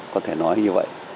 có thể nói như vậy